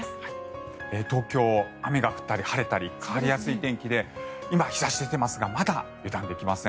東京、雨が降ったり晴れたり変わりやすい天気で今、日差し出てますがまだ油断できません。